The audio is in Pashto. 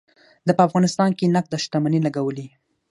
ده په افغانستان کې نغده شتمني لګولې.